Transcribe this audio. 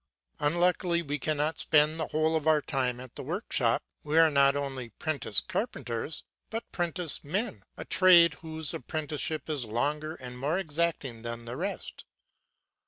Unluckily we cannot spend the whole of our time at the workshop. We are not only 'prentice carpenters but 'prentice men a trade whose apprenticeship is longer and more exacting than the rest.